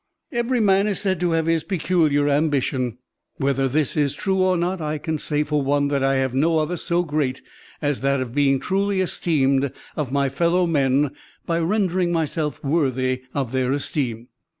"Every man is said to have his peculiar ambition. Whether this is true or not, I can say for one, that I have no other so great as that of being truly esteemed of my fellow men by rendering myself worthy of their esteem.